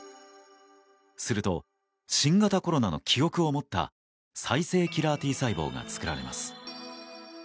すると新型コロナの記憶を持った再生キラーＴ細胞が作られます。